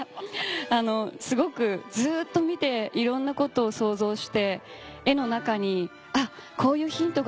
すごくずっと見ていろんなことを想像して絵の中に「あっこういうヒントがあるんだ。